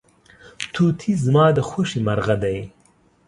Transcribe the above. توتي زما د خوښې مرغه دی.